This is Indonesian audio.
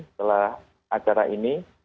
setelah acara ini